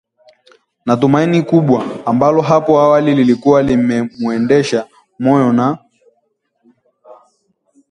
na tumaini kubwa ambalo hapo awali lilikuwa limeuendesha moyo na